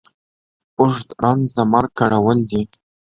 اوږ د رنځ د مرگ کرول دي.